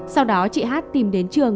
sau đó chị h tìm đến trường